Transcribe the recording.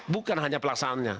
bukan hanya pelaksanaannya